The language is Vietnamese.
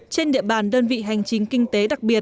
trên địa bàn đơn vị hành chính kinh tế đặc biệt